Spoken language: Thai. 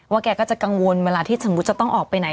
แกก็จะกังวลเวลาที่สมมุติจะต้องออกไปไหน